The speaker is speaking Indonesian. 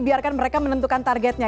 biarkan mereka menentukan targetnya